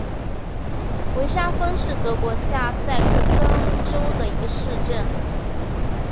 维沙芬是德国下萨克森州的一个市镇。